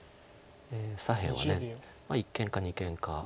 左辺は一間か二間か。